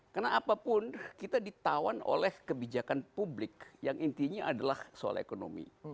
karena apapun kita ditawan oleh kebijakan publik yang intinya adalah soal ekonomi